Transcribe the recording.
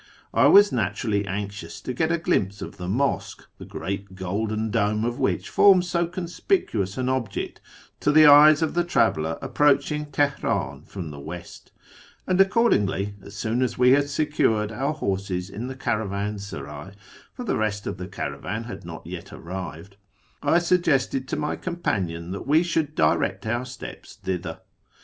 I was naturally anxious a get a glimpse of the mosque, the great golden dome of which forms so conspicuous an object to the eyes of the traveller approaching Teheran from the West; and accordingly, as soon as we had secured our horses in the caravansaray (for the rest of the caravan had not yet arrived), I suggested to my companion that we should direct our steps thither.